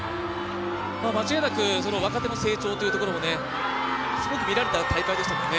間違いなく若手の成長というところもすごく見られた大会でしたもんね。